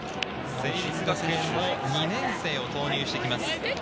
成立学園、２年生を投入してきます。